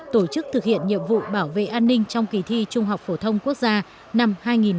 tổ chức thực hiện nhiệm vụ bảo vệ an ninh trong kỳ thi trung học phổ thông quốc gia năm hai nghìn một mươi chín